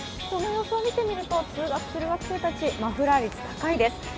人の様子を見てみると、通学する学生たち、マフラー率が高いです。